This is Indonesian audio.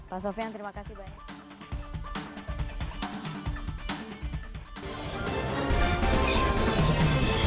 pak sofian terima kasih banyak